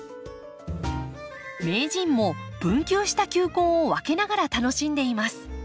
名人も分球した球根を分けながら楽しんでいます。